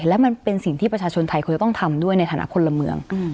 และมันเป็นสิ่งที่ประชาชนไทยควรจะต้องทำด้วยในฐานะคนละเมือง